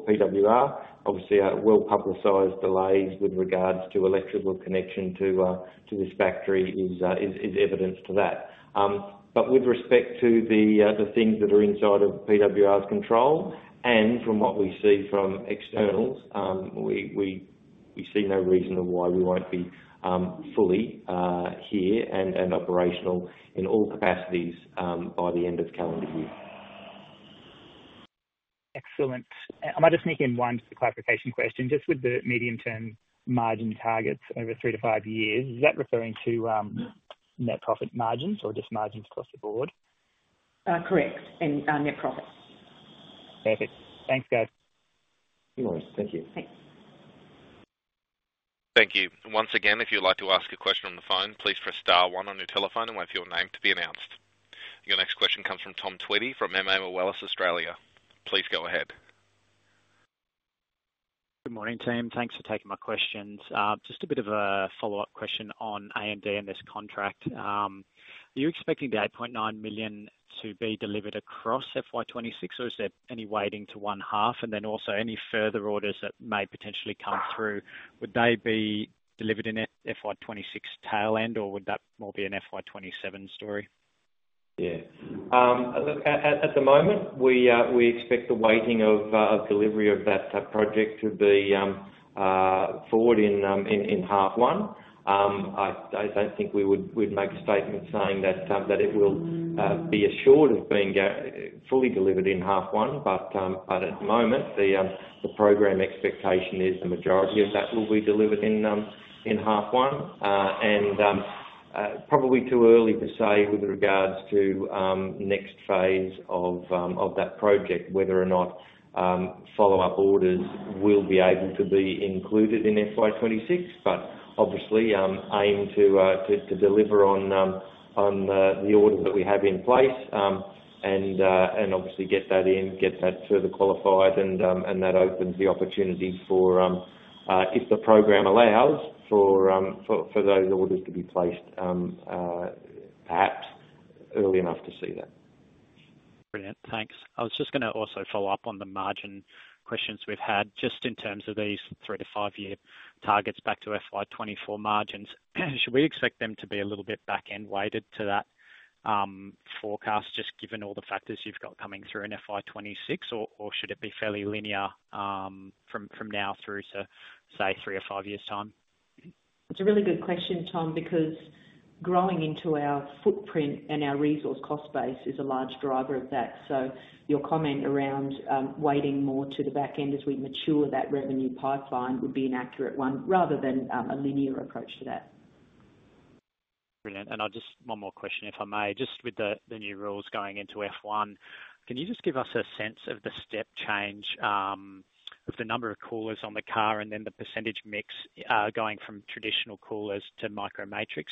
PWR. Obviously, our well-publicised delays with regards to electrical connection to this factory is evidence to that. With respect to the things that are inside of PWR's control and from what we see from externals, we see no reason why we won't be fully here and operational in all capacities by the end of calendar year. Excellent. Am I just sneaking in one, just a clarification question? Just with the medium-term margin targets over three to five years, is that referring to net profit margins or just margins across the board? Correct, and net profits. Perfect. Thanks, guys. No worries. Thank you. Thanks. Thank you. Once again, if you'd like to ask a question on the phone, please press star one on your telephone and wait for your name to be announced. Your next question comes from Tom Tweedie from MA Welles, Australia. Please go ahead. Good morning, team. Thanks for taking my questions. Just a bit of a follow-up question on AMD and this contract. Are you expecting the $8.9 million to be delivered across FY 2026, or is there any weighting to one half? Also, any further orders that may potentially come through, would they be delivered in the FY 2026 tail end, or would that more be an FY 2027 story? Yeah. Look, at the moment, we expect the weighting of delivery of that project to be forward in half one. I don't think we would make a statement saying that it will be assured of being fully delivered in half one. At the moment, the program expectation is the majority of that will be delivered in half one. It's probably too early to say with regards to the next phase of that project whether or not follow-up orders will be able to be included in FY 2026. Obviously, aim to deliver on the order that we have in place and get that in, get that further qualified, and that opens the opportunity for, if the program allows, for those orders to be placed perhaps early enough to see that. Brilliant. Thanks. I was just going to also follow up on the margin questions we've had. Just in terms of these three to five-year targets back to FY 2024 margins, should we expect them to be a little bit back-end weighted to that forecast, just given all the factors you've got coming through in FY 2026, or should it be fairly linear from now through to, say, three or five years' time? It's a really good question, Tom, because growing into our footprint and our resource cost base is a large driver of that. Your comment around waiting more to the back end as we mature that revenue pipeline would be an accurate one rather than a linear approach to that. Brilliant. I'll just ask one more question, if I may. With the new rules going into Formula One, can you give us a sense of the step change of the number of coolers on the car and then the % mix going from traditional coolers to micro matrix?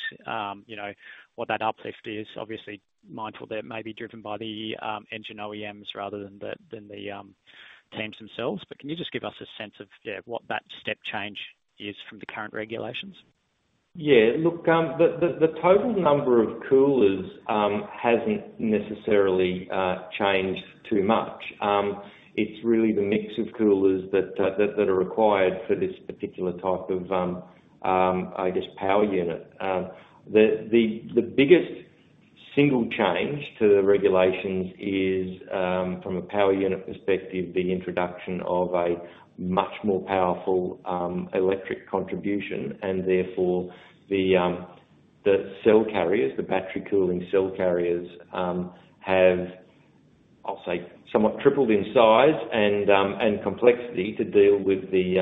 What that uplift is, obviously mindful that it may be driven by the engine OEMs rather than the teams themselves. Can you give us a sense of what that step change is from the current regulations? Yeah, look, the total number of coolers hasn't necessarily changed too much. It's really the mix of coolers that are required for this particular type of, I guess, power unit. The biggest single change to the regulations is, from a power unit perspective, the introduction of a much more powerful electric contribution. Therefore, the cell carriers, the battery cooling cell carriers, have, I'll say, somewhat tripled in size and complexity to deal with the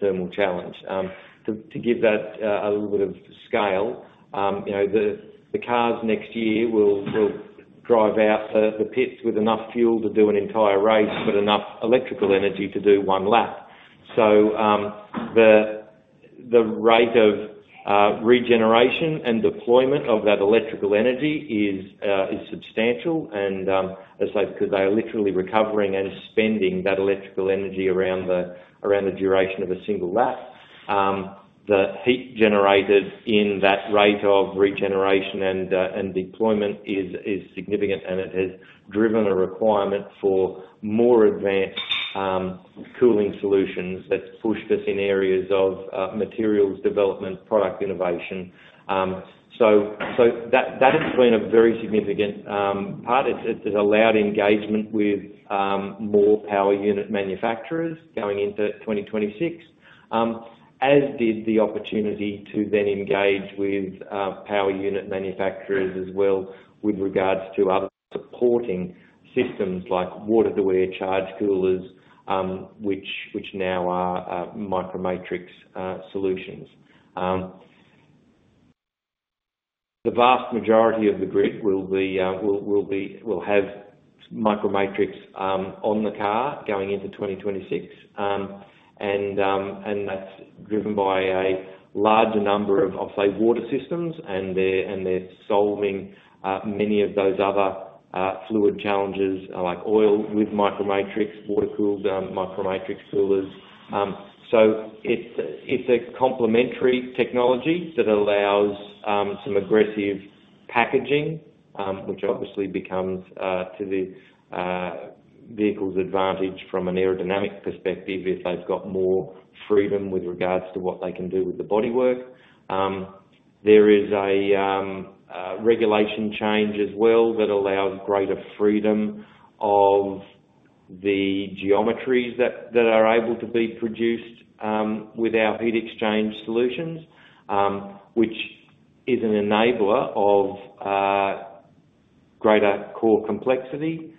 thermal challenge. To give that a little bit of scale, you know, the cars next year will drive out the pits with enough fuel to do an entire race but enough electrical energy to do one lap. The rate of regeneration and deployment of that electrical energy is substantial. As I said, they are literally recovering and spending that electrical energy around the duration of a single lap. The heat generated in that rate of regeneration and deployment is significant, and it has driven a requirement for more advanced cooling solutions that's pushed us in areas of materials development and product innovation. That has been a very significant part. It's allowed engagement with more power unit manufacturers going into 2026, as did the opportunity to then engage with power unit manufacturers as well with regards to other supporting systems like water-to-air charge coolers, which now are micro matrix solutions. The vast majority of the grid will have micro matrix on the car going into 2026. That's driven by a larger number of, I'll say, water systems, and they're solving many of those other fluid challenges like oil with micro matrix, water-cooled micro matrix coolers. It's a complementary technology that allows some aggressive packaging, which obviously becomes to the vehicle's advantage from an aerodynamics perspective if they've got more freedom with regards to what they can do with the bodywork. There is a regulation change as well that allows greater freedom of the geometries that are able to be produced with our heat exchange solutions, which is an enabler of greater core complexity.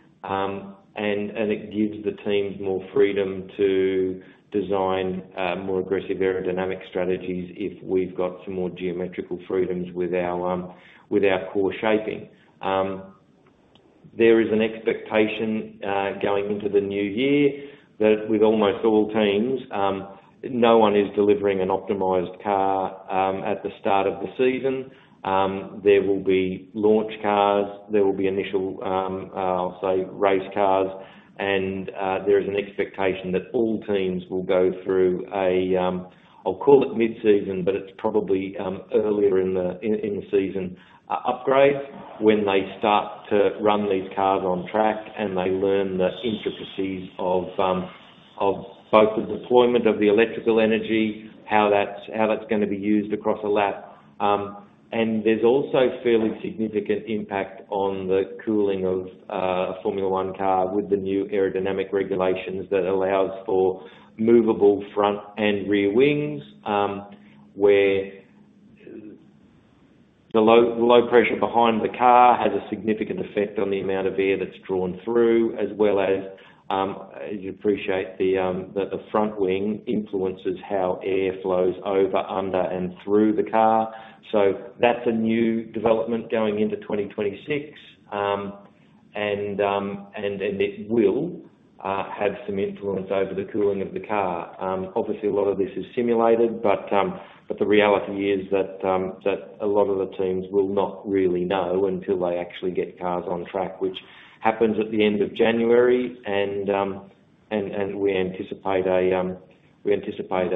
It gives the teams more freedom to design more aggressive aerodynamic strategies if we've got some more geometrical freedoms with our core shaping. There is an expectation going into the new year that with almost all teams, no one is delivering an optimized car at the start of the season. There will be launch cars. There will be initial, I'll say, race cars. There is an expectation that all teams will go through a, I'll call it mid-season, but it's probably earlier in the season upgrade when they start to run these cars on track and they learn the intricacies of both the deployment of the electrical energy, how that's going to be used across a lap. There's also fairly significant impact on the cooling of a Formula One car with the new aerodynamic regulations that allow for movable front and rear wings, where the low pressure behind the car has a significant effect on the amount of air that's drawn through, as well as, as you appreciate, the front wing influences how air flows over, under, and through the car. That's a new development going into 2026, and it will have some influence over the cooling of the car. Obviously, a lot of this is simulated, but the reality is that a lot of the teams will not really know until they actually get cars on track, which happens at the end of January. We anticipate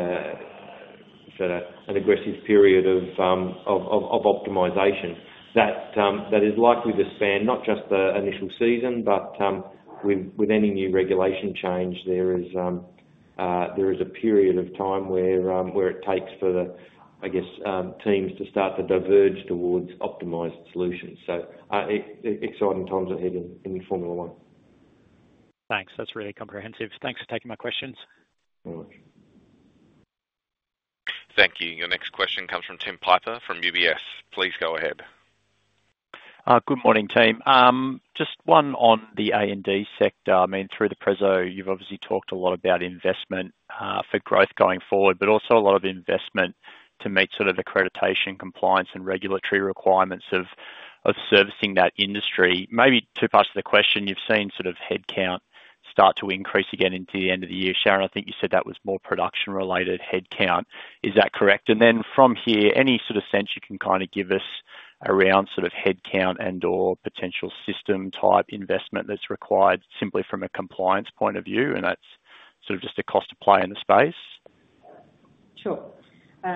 an aggressive period of optimization that is likely to span not just the initial season, but with any new regulation change, there is a period of time where it takes for the, I guess, teams to start to diverge towards optimized solutions. Exciting times ahead in Formula One. Thanks. That's really comprehensive. Thanks for taking my questions. Thank you. Your next question comes from Tim Piper from UBS. Please go ahead. Good morning, team. Just one on the AMD sector. I mean, through the preso, you've obviously talked a lot about investment for growth going forward, but also a lot of investment to meet sort of accreditation, compliance, and regulatory requirements of servicing that industry. Maybe two parts to the question. You've seen sort of headcount start to increase again into the end of the year. Sharyn, I think you said that was more production-related headcount. Is that correct? From here, any sort of sense you can kind of give us around sort of headcount and/or potential system-type investment that's required simply from a compliance point of view? That's sort of just a cost to play in the space. Sure.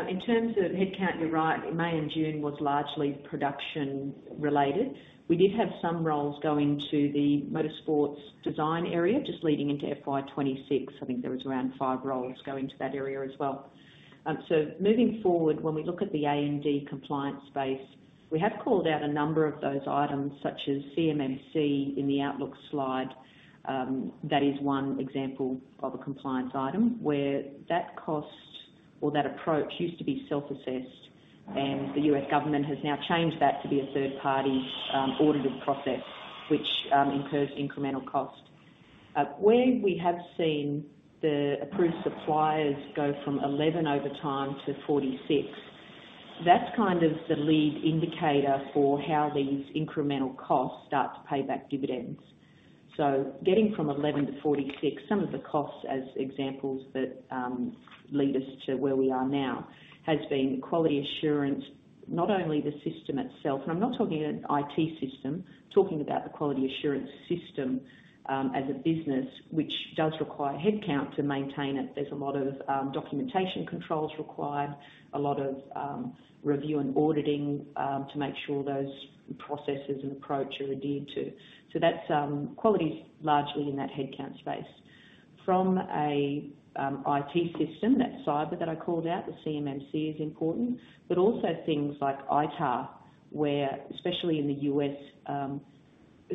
In terms of headcount, you're right. In May and June, it was largely production-related. We did have some roles going to the motorsports design area, just leading into FY 2026. I think there was around five roles going to that area as well. Moving forward, when we look at the AMD compliance space, we have called out a number of those items, such as CMMC 2.0 in the outlook slide. That is one example of a compliance item where that cost or that approach used to be self-assessed, and the U.S. government has now changed that to be a third party's audited process, which incurs incremental cost. Where we have seen the approved suppliers go from 11 over time to 46, that's kind of the lead indicator for how these incremental costs start to pay back dividends. Getting from 11 to 46, some of the costs as examples that lead us to where we are now has been the quality assurance, not only the system itself, and I'm not talking about the IT system, talking about the quality assurance system as a business, which does require headcount to maintain it. There's a lot of documentation controls required, a lot of review and auditing to make sure those processes and approach are adhered to. That's quality largely in that headcount space. From an IT system, that cyber that I called out, the CMMC 2.0 is important, but also things like ITAR, where especially in the U.S.,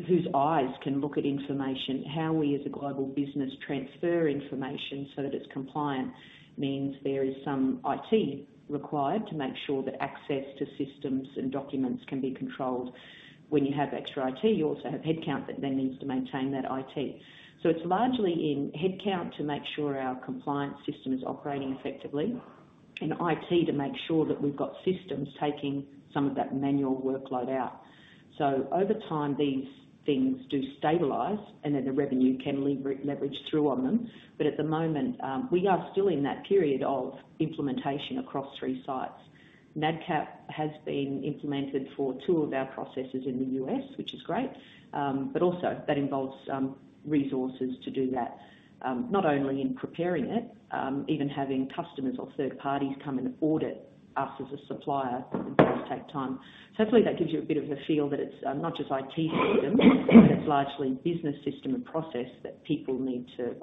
whose eyes can look at information, how we as a global business transfer information so that it's compliant means there is some IT required to make sure that access to systems and documents can be controlled. When you have extra IT, you also have headcount that then needs to maintain that IT. It's largely in headcount to make sure our compliance system is operating effectively and IT to make sure that we've got systems taking some of that manual workload out. Over time, these things do stabilize, and then the revenue can leverage through on them. At the moment, we are still in that period of implementation across three sites. NADCAP has been implemented for two of our processes in the U.S., which is great, but also that involves resources to do that, not only in preparing it, even having customers or third parties come and audit us as a supplier. It's going to take time. Hopefully, that gives you a bit of a feel that it's not just IT system, but it's largely a business system and process that people need to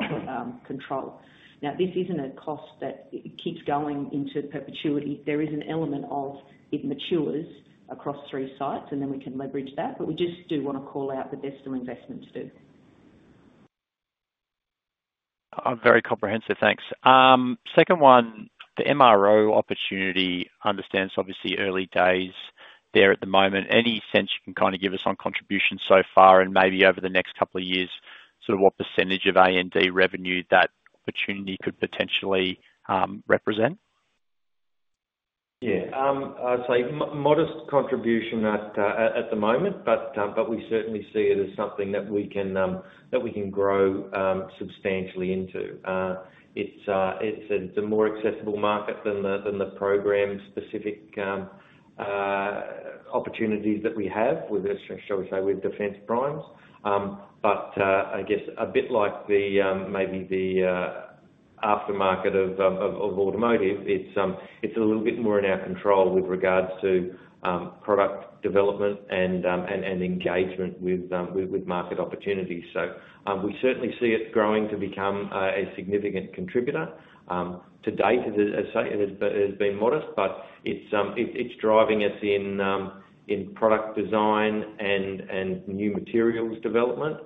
control. This isn't a cost that keeps going into perpetuity. There is an element of it matures across three sites, and then we can leverage that. We just do want to call out that there's still investment to do. Very comprehensive. Thanks. Second one, the MRO opportunity understands, obviously, early days there at the moment. Any sense you can kind of give us on contributions so far, and maybe over the next couple of years, sort of what % of AMD revenue that opportunity could potentially represent? Yeah, I'd say modest contribution at the moment, but we certainly see it as something that we can grow substantially into. It's a more accessible market than the program-specific opportunities that we have, shall we say, with defense primes. I guess a bit like maybe the aftermarket of automotive, it's a little bit more in our control with regards to product development and engagement with market opportunities. We certainly see it growing to become a significant contributor. To date, it has been modest, but it's driving us in product design and new materials development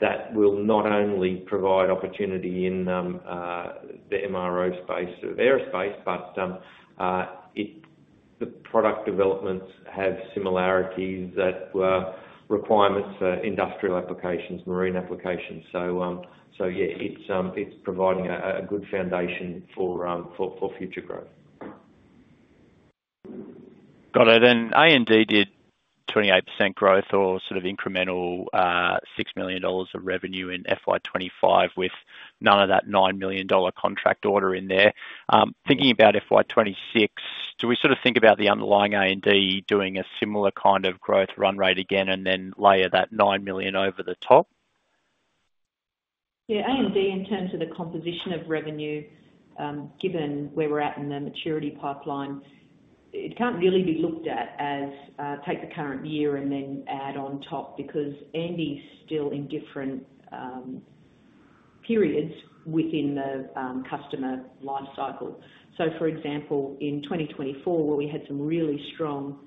that will not only provide opportunity in the MRO space of aerospace, but the product developments have similarities that were requirements for industrial applications, marine applications. It's providing a good foundation for future growth. Got it. AMD did 28% growth or sort of incremental $6 million of revenue in FY 2025 with none of that $9 million contract order in there. Thinking about FY 2026, do we sort of think about the underlying AMD doing a similar kind of growth run rate again and then layer that $9 million over the top? Yeah, AMD in terms of the composition of revenue, given where we're at in the maturity pipeline, it can't really be looked at as take the current year and then add on top because AMD is still in different periods within the customer lifecycle. For example, in 2024, where we had some really strong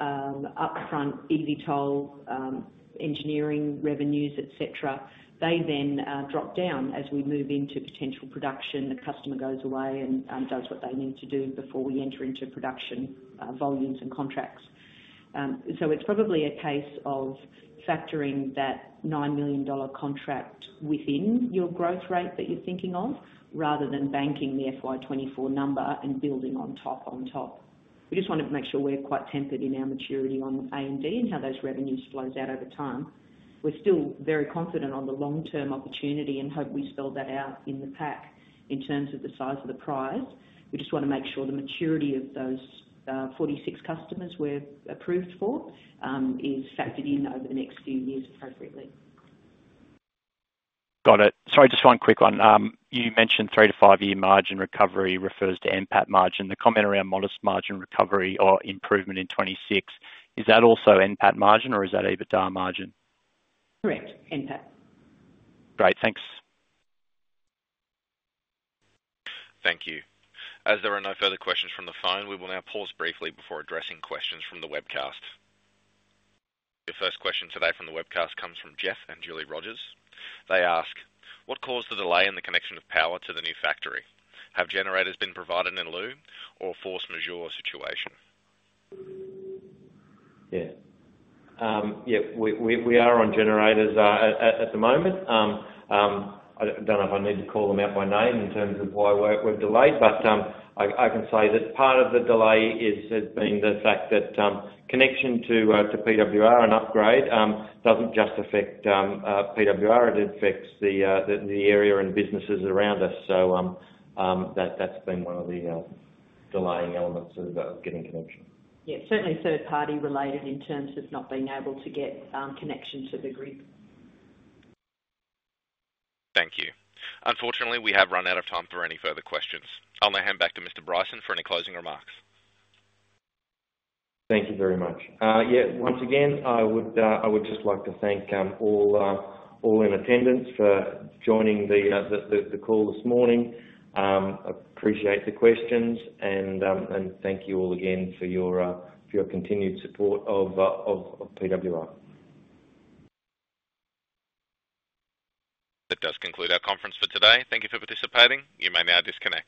upfront EV toll engineering revenues, etc., they then drop down as we move into potential production. The customer goes away and does what they need to do before we enter into production volumes and contracts. It's probably a case of factoring that $9 million contract within your growth rate that you're thinking of, rather than banking the FY 2024 number and building on top on top. We just want to make sure we're quite tempered in our maturity on AMD and how those revenues flow out over time. We're still very confident on the long-term opportunity and hope we spell that out in the pack in terms of the size of the prize. We just want to make sure the maturity of those 46 customers we're approved for is factored in over the next few years appropriately. Got it. Sorry, just one quick one. You mentioned three to five-year margin recovery refers to NPAT margin. The comment around modest margin recovery or improvement in 2026, is that also NPAT margin or is that EBITDA margin? Correct, NPAT. Great. Thanks. Thank you. As there are no further questions from the phone, we will now pause briefly before addressing questions from the webcast. Your first question today from the webcast comes from Jeff and Julie Rogers. They ask, what caused the delay in the connection of power to the new factory? Have generators been provided in a loom or force majeure situation? Yeah, we are on generators at the moment. I don't know if I need to call them out by name in terms of why we're delayed, but I can say that part of the delay has been the fact that connection to PWR and upgrade doesn't just affect PWR, it affects the area and businesses around us. That's been one of the delaying elements of getting connection. Yeah, it's certainly third-party related in terms of not being able to get connection to the grid. Thank you. Unfortunately, we have run out of time for any further questions. I'll now hand back to Mr. Bryson for any closing remarks. Thank you very much. Once again, I would just like to thank all in attendance for joining the call this morning. I appreciate the questions, and thank you all again for your continued support of PWR. That does conclude our conference for today. Thank you for participating. You may now disconnect.